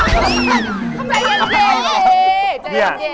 ใจแล้วเก็บ